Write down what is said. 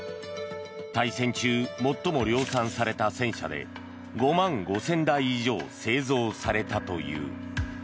大戦中、最も量産された戦車で５万５０００台以上製造されたという。